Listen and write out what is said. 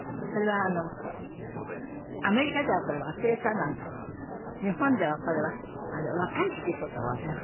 それはアメリカではこれ「忘れた」なんですけど日本ではこれは「若い」っていうこと。